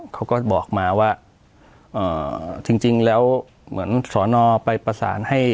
เขาก็บอกมาว่าจริงแล้วเหมือนสอนอไปประสานให้